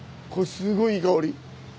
すごいいい香り。